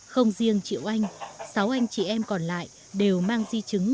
không riêng chị oanh sáu anh chị em còn lại đều mang di chứng